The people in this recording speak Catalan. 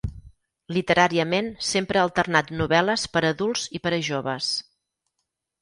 Literàriament sempre ha alternat novel·les per a adults i per a joves.